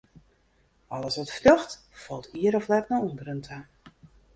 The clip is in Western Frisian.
Alles wat fljocht, falt ier of let nei ûnderen ta.